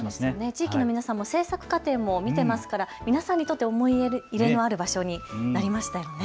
地域の皆さんも制作過程を見てますから皆さんにとって思い入れのある場所になりましたよね。